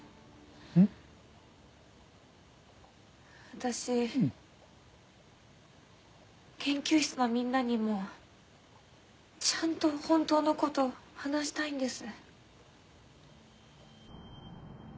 私研究室のみんなにもちゃんと本当のこと話したいんです。